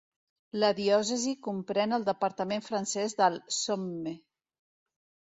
La diòcesi comprèn el departament francès del Somme.